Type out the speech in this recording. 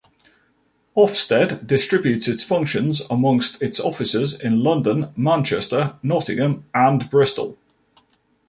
Ofsted distributes its functions amongst its offices in London, Manchester, Nottingham, and Bristol.